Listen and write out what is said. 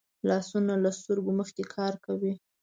لاسونه له سترګو مخکې کار کوي